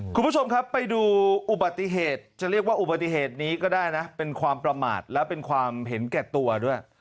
คุณผู้ชมครับไปดูอุบัติเหตุจะเรียกว่าอุบัติเหตุนี้ก็ได้นะเป็นความประมาทและเป็นความเห็นแก่ตัวด้วย